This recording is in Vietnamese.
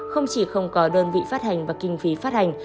không chỉ không có đơn vị phát hành và kinh phí phát hành